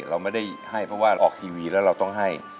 เราไม่ได้ให้เพราะว่าออกทีวีแล้วเราต้องให้